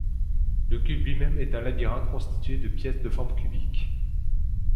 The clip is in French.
Le Cube lui-même est un labyrinthe constitué de pièces de forme cubique.